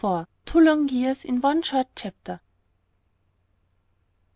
TWO LONG YEARS IN ONE SHORT CHAPTER.